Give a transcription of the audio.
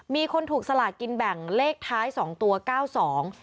มีคนถูกสลากินแบ่งเลขท้ายสองตัวเก้าสอง